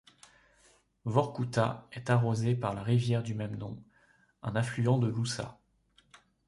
Vorkouta est arrosée par la rivière du même nom, un affluent de l'Oussa.